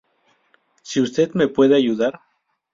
Si usted me puede ayudar...".